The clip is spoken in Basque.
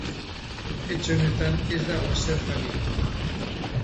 Etxe honetan ez dago zer janik.